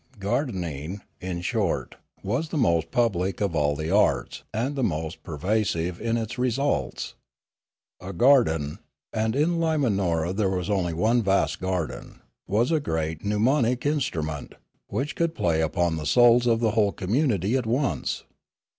Gardening, in short, was the most public of all the arts and the most pervasive in its re sults. A garden (and in Limanora there was only one vast garden) was a great mnemonic instrument, which could play upon the souls of the whole community at once.